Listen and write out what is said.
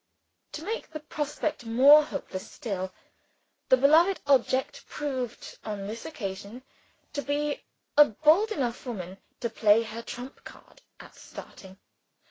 To make the prospect more hopeless still, the beloved object proved, on this occasion, to be a bold enough woman to play her trump card at starting.